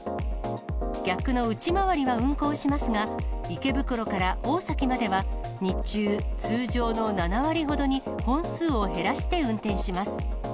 逆の内回りは運行しますが、池袋から大崎までは、日中、通常の７割ほどに本数を減らして運転します。